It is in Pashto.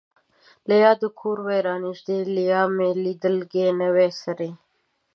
لیا دې کور وای را نژدې ـ لیا مې لیدلګې نه وای سرې